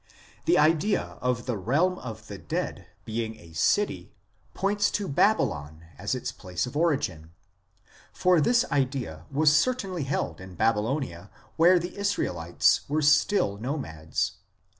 The idea of the realm of the dead being a city points to Babylon as its place of origin ; for this idea was certainly held in Baby lonia while the Israelites were still nomads.